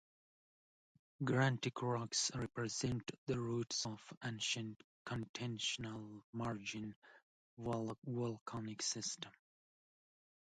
Granitic rocks represent the roots of ancient continental-margin volcanic systems.